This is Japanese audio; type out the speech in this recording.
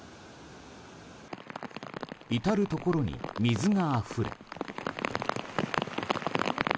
至るところに水があふれ。